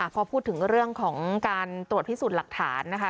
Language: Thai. พอพูดถึงเรื่องของการตรวจพิสูจน์หลักฐานนะคะ